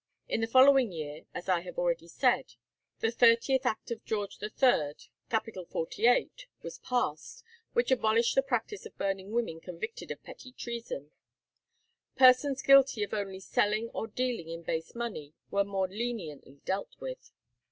In the following year, as I have already said, the 30 Geo. III. cap. 48 was passed, which abolished the practice of burning women convicted of petty treason. Persons guilty of only selling or dealing in base money were more leniently dealt with.